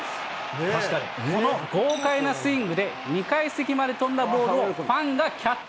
確かに、この豪快なスイングで、２階席まで飛んだボールをファンがキャッチ。